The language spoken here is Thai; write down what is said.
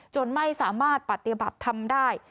จนไม่สามารถปฏิบัติทำได้